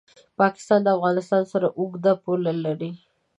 پاکستان د افغانستان سره اوږده پوله لري.